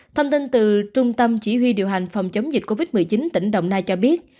thông tin từ trung tâm chỉ huy điều hành phòng chống dịch covid một mươi chín tỉnh đồng nai cho biết